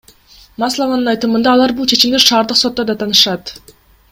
Маслованын айтымында, алар бул чечимди шаардык сотто даттанышат.